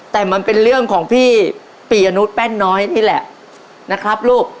แต่มันเป็นเรื่องของพี่ปียนุษยแป้นน้อยนี่แหละนะครับลูก